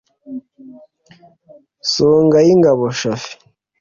Songayingabo Shaffy